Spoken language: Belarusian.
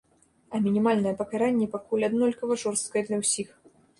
А мінімальнае пакаранне пакуль аднолькава жорсткае для ўсіх.